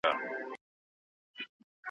موږ په خیر سره خپل منزل ته ورسېدو.